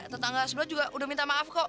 tetangga sebelah juga udah minta maaf kok